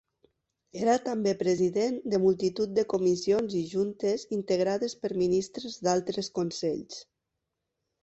Era també president de multitud de comissions i juntes integrades per ministres d'altres consells.